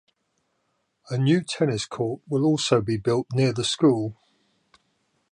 A new tennis court will also be built near the school.